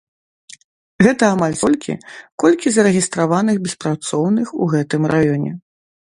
Гэта амаль столькі, колькі зарэгістраваных беспрацоўных у гэтым раёне.